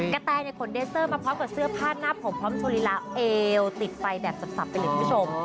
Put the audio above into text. แตขนเดเซอร์มาพร้อมกับเสื้อผ้าหน้าผมพร้อมโชลีลาเอวติดไฟแบบสับไปเลยคุณผู้ชม